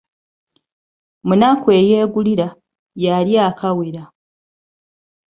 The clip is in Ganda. Munaku eyeegulira, yaalya akawera.